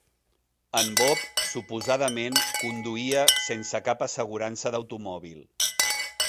En Bob suposadament conduïa sense cap assegurança d"automòbil.